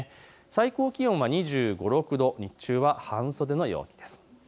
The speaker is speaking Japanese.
最高気温は２６度、日中は半袖の陽気です。